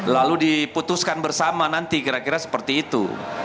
lalu diputuskan bersama nanti kira kira seperti itu